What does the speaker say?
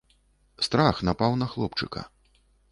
Страх напаў на хлопчыка.